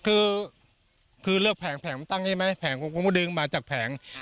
คือคือเลือกแผงแผงตั้งใช่ไหมแผงผมก็ดึงมาจากแผง